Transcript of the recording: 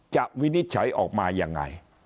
วินิจฉัยออกมายังไง